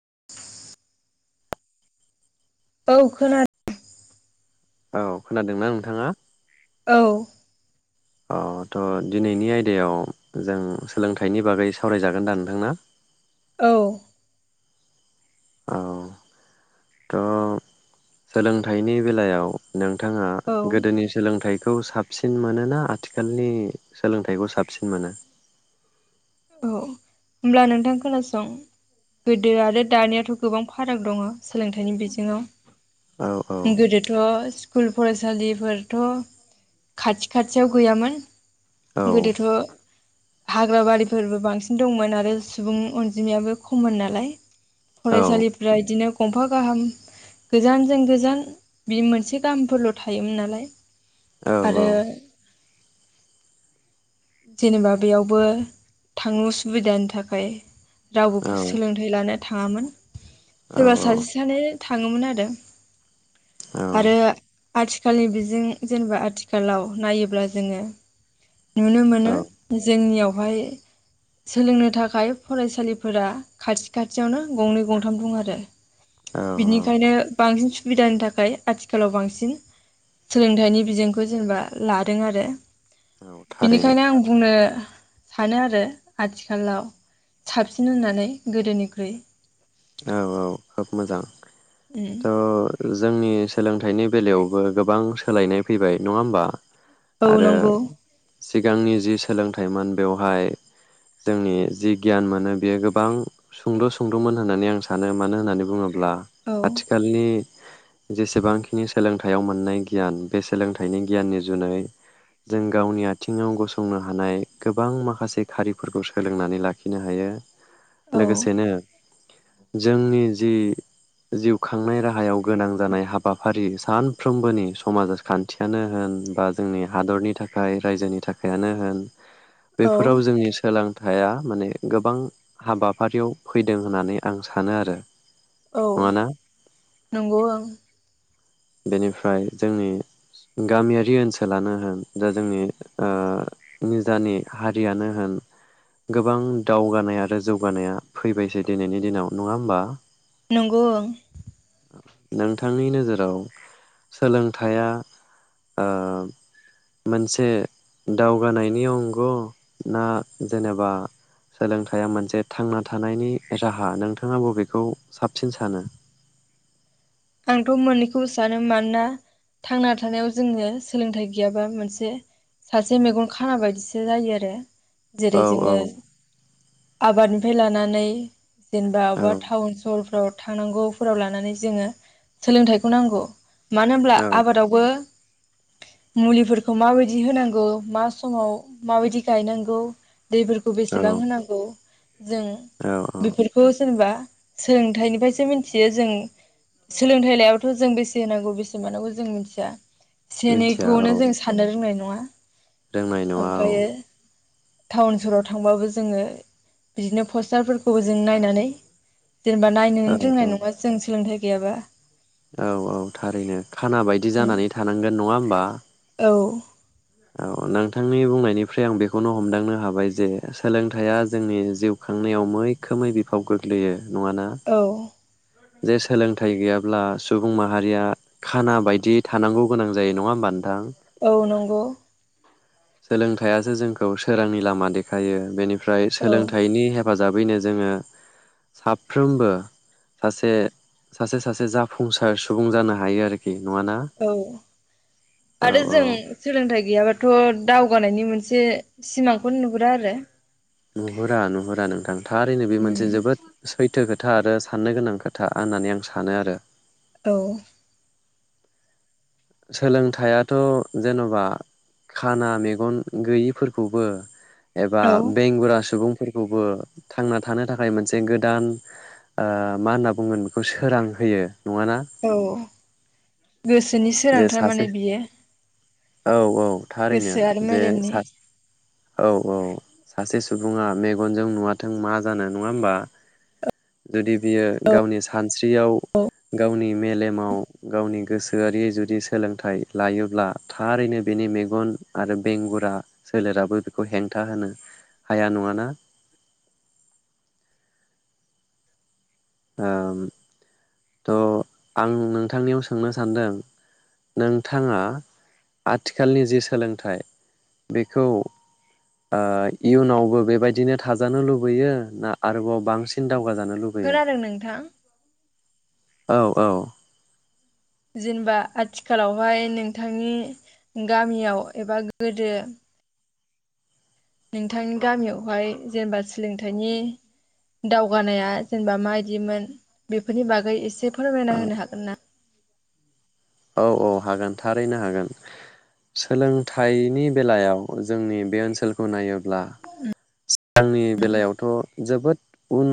[inaudible] औ खोनादों। औ खोनादोंना नोंथाङा? औ अ थ' दिनैनि आयदायाव जों सोलोंथाइनि बागै सावरायजागोन दा नोंथां ना औ औ तो सोलोंथाइनि बेलायाव नोंथाङा औ गोदोनि सोलोंथाइखौ साब साबसिन मोन ना आथिखालनि सोलोंथाइखौ साबसिन मोनो? औ होमब्ला नोंथां खोनासं गोदो आरो दानिथ' गोबां फाराग दङ सोलोंथाइनि औ औ बिजोङाव गोदोथ स स्कुल फरायसालिफोरथ' खाथि खाथियाव गैयामोन औ गोदोथ' हाग्राबारि फोरबो बांसिन दंमोन आरो सुबुं अनजिमायाबो खममोन नालाय औ फरायसालिफ्रा बिदिनो गंफा गाहाम गोजानजों गोजान बि मोनसे गामफोरल' थायोमोन नालाय औ औ आरो जेनेबा बेयावबो थांनो असुबिदानि थाखाय औ रावबो सोलोंथाइ लानो थाङामोन औ सोरबा सासे सानै थाङोमोन आरो औ आरो आथिखालनि बिजों जेनेबा आथिखालाव नायोब्ला जोङो नुनो मोनो औ जोंनियाव बेवहाय सोलोंनो थाखाय फरायसालिफोरा खाथि खाथियावनो गंनै गंथाम दं आरो। औ बिनिखायनो बांसिन सु बिदानि थाखाय आथिखालाव बांसिन सोलोंथाइनि बिजोंखौ जेनेबा लादों आरो। औ थारैनो बिनिखायनो आं बुंनो सानो आरो आथिखालाव साबसिन होननानै गोदोनिख्रुइ उम त' जोंनि सोलोंथाइनि बेलायावबो गोबां सोलायनाय फैबाय नङा होमबा। औ आरो नंगौ सिगांनि जि सोलोंथाइमोन बेवहाय जोंनि जि गियान मोनो बेयो गोबां सुंद'- सुंद'मोन होननानै आं सानो मानो होननानै बुङो ब्ला औ आथिखालनि जेसेबांखिनि सोलोंथाइयाव मोननाय गियान बे सोलोंथाइनि गियाननि जुनै जों गावनि आथिङाव गसंनो हानाय गोबां माखासे खारिफोरखौ सोलोंनानै लाखिनो हायो। औ लोगोसेनो जोंनि जि जिउ खांनाय राहायाव गोनां जानाय हाबाफारि सानफ्रोमबोनि समाज खान्थियानो होन बा जोंनि हादरनि थाखाय रायजोनि थाखायानो होन औ बेफोराव जोंनि सोलों थाया माने गोबां हाबाफारियाव फै दों होननानै आं सानो आरो। औ नङाना नंगौ ओं। बेनिफ्राय जोंनि गामियारि ओनसोलानो होन दा जोंनि निजानि हारियानो होन गोबां दावगानाय आरो जौगानाया फै बायसै दिनैनि दिनाव नङा होमबा। नंगौ ओं नोंथांनि नोजोराव सोलोंथाइया ओ मोनसे दावगानायनि अंग ना जेनेबा सोलोंथाइया मोनसे थांनानै थानायनि राहा नोंथाङा बबेखौ साबसिन सानो? आंथ'मोननैखौबो सानो मानोना थांना थानायाव जोङो सोलोंथाइ गैयाबा मोनसे सासे मेगन खाना बायदिसो जायो आरो। औ जेरै जोङो आबादनिफ्राय लानानै जेनेबा अबबा टाउन सहरफ्राव थांनांगौफोराव लानानै जोङो सोलोंथाइखौ नांगौ। मानो होब्ला औ आबादावबो मुलिफोरखौ माबायदि होनांगौ मा समाव माबायदि गायनांगौ दैफोरखौ औ बेसेबां होनांगौ जों औ औ बेफोरखौ जेनेबा। सोलोंथाइनिफ्रायसो मिथियो जों। सोलोंथाइ लायथ जों बेसे होनांगौ बेसे मोनानांगौ जों मिथिया। मिथिया औ एनैखौनो जों साननो रोंनाय। नङा। रोंनाय नङा औ ओमफ्रायो टाउन सहराव थांबाबो जोङो बिदिनो पस्टारफोरखौबो जों नायनानै। जेनेबा नायनो औ रोंनाय नङा जों सोलोंथाइ। गैयाबा औ-औ थारैनो खाना बायदि जानानै थानांगोन नङा होमबा। औ औ नोंथांनि बुंनायनिफ्राय आं बेखौनो हमदांनो हाबाय जे सोलोंथाइया जोंनि जिउ खांनायाव मैखोमै बिफाव गोग्लैयो। नङा ना औ जे सोलोंथाइ गैयाब्ला सुबुं माहारिया खाना बायदि थानांगौ गोनां जायो नङा होमबा नों औ नंगौ [unintelligible] सोलोंथाइसो जोंखौ सोरांनि लामा देखायो बेनि ओफ्राय औ सोलोंथाइनि हेफाजाब हिसाबैनो जोङो साफ्रोमबो सासे सासे सासे जाफुंसार सुबुं जानो हायो आरोखि। नङाना औ औ आरो औ जों सोलोंथाइ गैयाबाथ' दावगानायनि मोनसे सिमांखौनो नुहुरा आरो। नुहुरा नुहुरा नोंथां थारैनो बे उम मोनसे जोबोद सैथो खोथा आरो साननो गोनां खोथा होननानै आं सानो आरो। औ सोलोंथाइथ' जेन'बा खाना मेगन गैयिफोरखौबो एबा औ बेंगुरा सुबुं फोरखौबो थांना थानो थाखाय मोनसे गोदान मा होनना बुंगोन बेखौ सोरां होयो। नङाना औ गोसोनि जे सोरांथार सासे माने बियो औ औ थारैनो गोसो आरो जे मेलेमनि सासे औ औ सासे सुबुङा मेगनजों नुवाथों मा जानो नङा होमबा जुदि बियो गावनि सानस्रियाव गावनि मेलेमाव गावनि गोसोआरि जुदि सोलोंथाइ लायोब्ला थारैनो बेनि मेगन आरो बेंगुरा सोलेराबो बेखौ हेंथा होनो हाया नङा ना। थ' आं नोंथांनियाव सोंनो सानदों नोंथाङा आथिखालनि जि सोलोंथाइ बेखौ इयुनावबो बेबायदिनो थाजानो लुबैयो ना आरोबाव बांसिन दावगाजानो लुबैयो। खोनादों नोंथां औ औ जेनेबा आथिखालावहाय नोंथांनि गामियाव एबा गोदो नोंथांनि गामियावहाय जेनेबा सोलोंथाइनि दावगानाया जेनेबा मायदिमोन बेफोरनि बागै एसे फोरमायना औ होनो हागोन ना औ औ हागोन थारैनो हागोन सोलोंथाइनि बेलायाव जोंनि बे ओनसोलखौ नायोब्ला आंनि बेलायावथ' जोबोद उन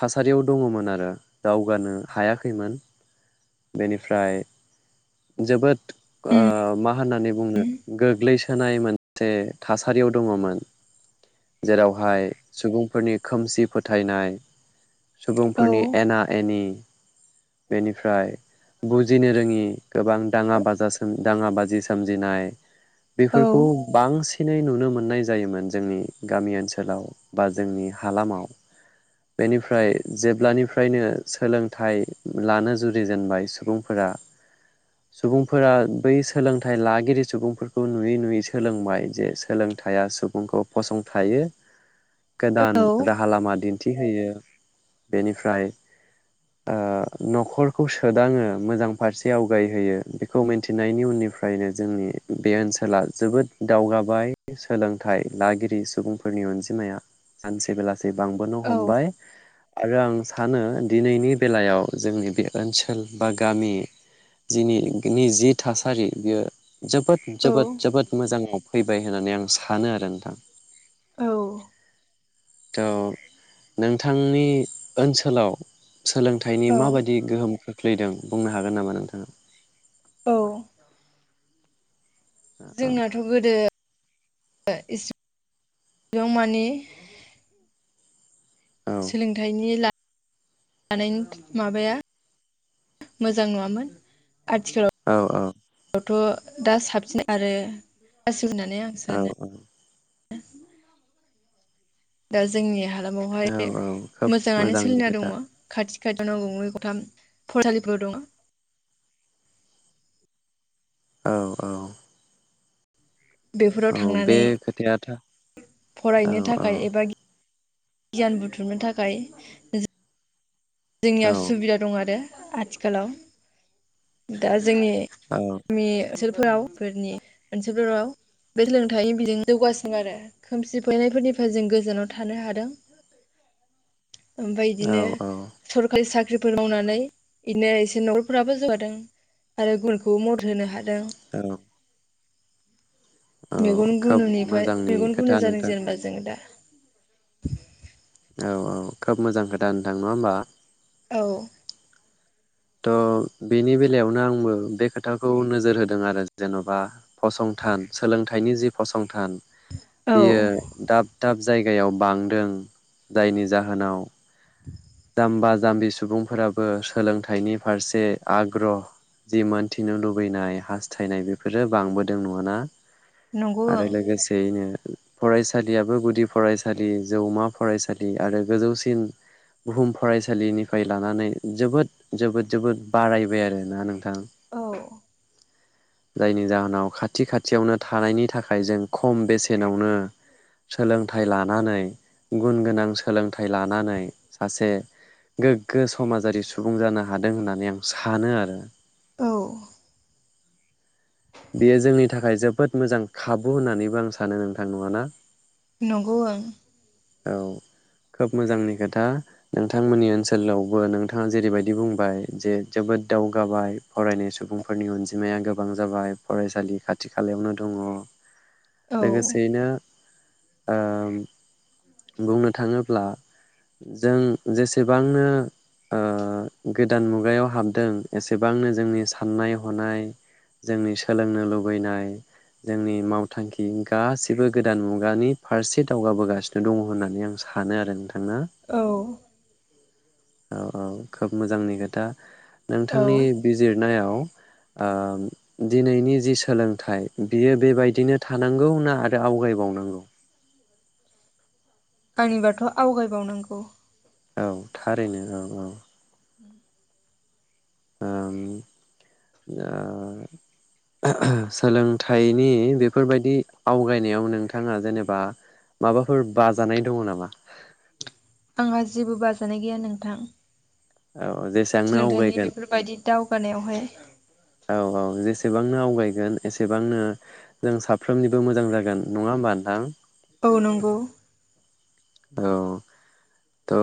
थासारियाव दङमोन आरो दावगानो हायाखैमोन बेनिफ्राय जोबोद ओ मा होननानै बुंनो गोग्लैस होनाय मोनसे थासारियाव दङमोन जेरावहाय सुबुंफोरनि खोमसि फोथायनाय सुबुंफोरनि औ एना एनि बेनिफ्राय बुजिनो रोङि गोबां दाङा बाजा दाङा बाजि सोमजिनाय बेफोरखौ औ बांसिनै नुनो मो ननाय जायोमोन जोंनि गामि ओनसोलाव बा जोंनि हालामाव बेनिफ्राय जेब्लानिफ्रायनो सोलोंथाइ लानो जुरि जेनबाय गोदान औ रा हा लामा दिन्थिहोयो बेनिफ्राय ओ न'खर खौ सोदाङो मोजां फारसे आवगायहोयो बेखौ मिन्थिनायनि उननिफ्रायनो जोंनि बे ओनसोला जोबोद दावगाबाय सोलोंथाइ लागिरि सुबुंफोरनि अनजिमाया सानसे बेला से बांबोनो हमबाय आरो आं सानो दिनैनि बेलायाव जोंनि बे ओनसोल बा गामि जिनि गिनि जि थासारि बियो जोबोद औ जोबोद जोबोद मोजाङाव फैबाय होनानै आं सानो आरो नोथां औ थ' नोंथांनि ओनसोलाव सोलोंथाइनि औ माबादि गोहोम खोख्लैदों बुंनो हागोन नामा नोंथाङा औ औ जोंनाथ' गोदो [inaudible] याव माने औ सोलोंथाइनि ला नायनि माबाया मोजां नुवामोन आथिखालावथ' दा साबसिन आरो [inaudible] होननानै आं औ सानो दा जोंनि [unintelligible] औ हालामावहाय औ खोब मोजाङानो मोजांनि सोलिना दङ खोथा खाथि [unintelligible] गंनै गथाम फरायसालिफोर दङ। औ औ। बेफोराव औ बे थांनानै खोथाया [unintelligible] औ फरायनो औ थाखाय एबा [unintelligible] गायान बुथुमनो थाखाय औ जोंनियाव सुबिदा दं आरो। आथिखालाव दा जोंनि [unintelligible] [unintelligible] फोरनि [unintelligible] बे सोलोंथायाइनि बिजों जौगासिनो आरो खोमसि फैनायफोरनिफ्राय जों गोजानाव थानो हादों। ओमफाय औ इदिनो औ सरखारि साख्रिफोर मावनानै बिनो एसे नखरफोराबो जौगादों आरो गुबुनखौबो मदद होनो हादों। औ। मेगन खोब गुनुनिफ्राय मोजांनि मेगन खोथा गुनु जादों नोंथां जेनेबा जोङो दा [unintelligible] औ औ खोब मोजां खोथा नोंथां नङा होमबा। औ थ' बेनि बेलायावनो आंबो बे खोथाखौ नोजोर होदों आरो जेनबा फसंथान सोलोंथाइनि जि फसंथान औ बियो [unintelligible] दाब जायगायाव बांदों जायनि जाहोनाव [unintelligible] जाम्बा- जाम्बि सुबुंफोराबो सोलोंथाइनि फारसे आग्रह जि मोनथिनो लुबैनाय हास्थायनाय बेफोरो बांबोदों नङाना? नंगौ आरो ओं लोगोसेयैनो फरायसालियाबो गुदि फरायसालि जौमा फरायसालि आरो गोजौसिन बुहुम फरायसालिनिफाय लानानै जोबोद -जोबोद- जोबोद बारायबाय आरोना नोंथां। औ। जायनि जाहोनाव खाथि खाथियावनो थानायनि थाखाय जों खम बेसेनावनो सोलोंथाइ लानानै गुन गोनां सोलोंथाइ [unintelligible] लानानै सासे गोग्गो समाजारि सुबुं जानो हादों होननानै आं सानो आरो। औ। बेयो जोंनि थाखाय जोबोद मोजां खाबु होननानैबो आं सानो नोंथां नङाना? नंगौ ओं। औ खोब मोजांनि खोथा नोंथांमोननि ओनसोलावबो नोंथाङा जेरैबायदि बुंबाय जे जोबोद दावगाबाय फरायनाय सुबुंफोरनि अनजिमाया गोबां जाबाय। फरायसालि खाथि -खालायावनो दङ। ओं औ लोगोसेयैनो ओ बुंनो थाङोब्ला जों जेसेबांनो ओ गोदान मुगायाव हाबदों एसेबांनो जोंनि साननाय- हनाय जोंनि सोलोंनो लुबैनाय जोंनि मावथांखि गासिबो गोदान मुगानि फारसे दावगाबोगासिनो दङ होननानै आं सानो आरो नोंथां। ना औ। औ औ खोब मोजांनि खोथा। औ नोंथांनि बिजिरनायाव आम उम। दिनैनि जि सोलोंथाइ बियो बेबायदिनो थानांगौ ना आरो आवगायबावनांगौ आंनिबाथ आवगायबावनांगौ औ थारैनो औ औ। [inaudible] ओम ओ सोलोंथाइनि बेफोरबायदि आवगायनायाव नोंथाङा जेनेबा माबाफोर बाजानाय दङ नामा। आंहा जेबो बाजानाय गैया नोंथां। औ जेसेबांनो सोलोंथाइनि आवगायगोन बेफोरबायदि दावगानायावहाय। औ औ जेसेबांनो आवगायगोन एसेबांनो जों साफ्रोमनिबो मोजां जागोन नङा होमबा नोंथां। औ नंगौ। औ थ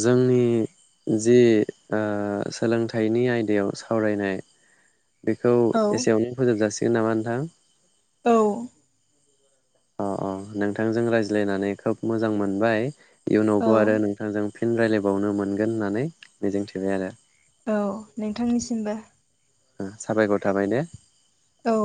जोंनि ओ जि‌ सोलोंथाइनि आयदायाव सावरायनाय बेखौ औ एसेयावनो फोजोबजासिग जेनाबा नोंथां। औ। अ अ नोंथांजों रायज्लायनानै खोब मोजां मोनबाय। औ इयुनावबो आरो नोंथांजों। फिन रायज्लायबावनो मोनगोन होननानै मिजिंथिबाय आरो। औ नोंथांनिसिमबो। साबायखर थाबाय दे। औ।